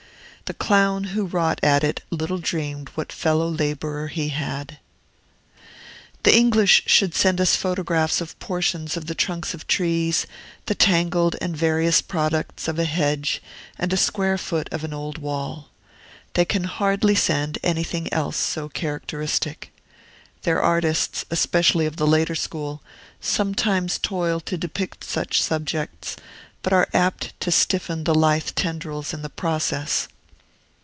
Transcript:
The clown who wrought at it little dreamed what fellow laborer he had. The English should send us photographs of portions of the trunks of trees, the tangled and various products of a hedge, and a square foot of an old wall. They can hardly send anything else so characteristic. Their artists, especially of the later school, sometimes toil to depict such subjects, but are apt to stiffen the lithe tendrils in the process.